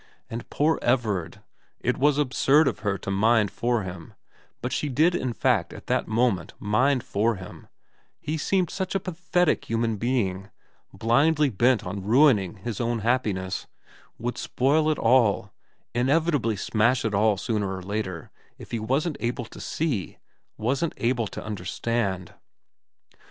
And poor Everard it was absurd of her to mind for 352 VERA him, but she did in fact at that moment mind for him, he seemed such a pathetic human being, blindly bent on ruining hia own happiness would spoil it all, in evitably smash it all sooner or later, if he wasn't able to see, wasn't able to understand.